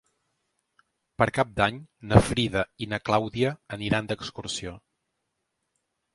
Per Cap d'Any na Frida i na Clàudia aniran d'excursió.